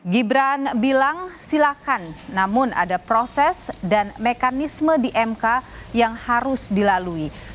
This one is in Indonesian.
gibran bilang silakan namun ada proses dan mekanisme di mk yang harus dilalui